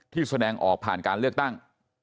แสดงออกผ่านการเลือกตั้ง